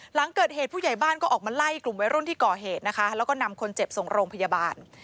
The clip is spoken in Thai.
หลังเกิดเหตุผู้ใหญ่บ้านก็ออกมาไล่กลุ่มวัยรุ่นที่ก่อเหตุนะคะแล้วก็นำคนเจ็บส่งโรงพยาบาล